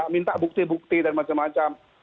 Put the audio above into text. minta bukti bukti dan macam macam